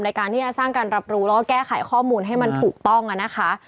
ในการที่จะสร้างการรับรู้แล้วก็แก้ไขข้อมูลให้มันถูกต้องนะคะ